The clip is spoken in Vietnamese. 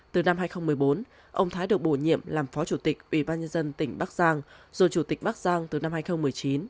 từ năm hai nghìn một mươi bốn ông thái được bổ nhiệm làm phó chủ tịch ủy ban nhân dân tỉnh bắc giang rồi chủ tịch bắc giang từ năm hai nghìn một mươi chín